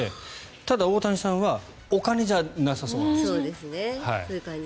ただ大谷さんはお金じゃなさそうなんです。